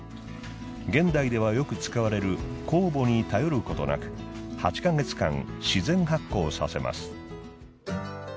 現代ではよく使われる酵母に頼ることなく８か月間自然発酵させます。